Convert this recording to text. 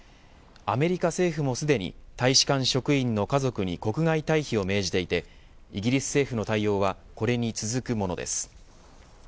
アメリカ政府もすでに大使館職員の家族に国外退避を命じていてイギリス政府の対応はこれに続くものです。